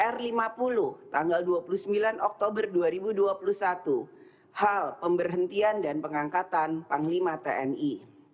r lima puluh tanggal dua puluh sembilan oktober dua ribu dua puluh satu hal pemberhentian dan pengangkatan panglima tni